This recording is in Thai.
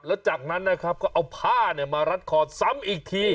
แล้วจากนั้นนะครับก็เอาผ้ามารัดคอซ้ำอีกที